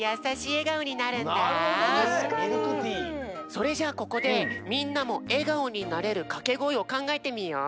それじゃあここでみんなもえがおになれるかけごえをかんがえてみよう。